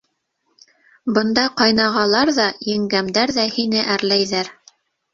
— Бында ҡайнағалар ҙа, еңгәмдәр ҙә һине әрләйҙәр.